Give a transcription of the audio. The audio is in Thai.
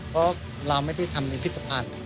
เพราะเราไม่ได้ทำในทิศภัณฑ์